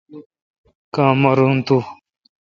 کاں مر تو۔